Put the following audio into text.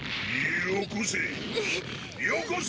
よこせ！